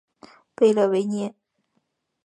贝勒维涅。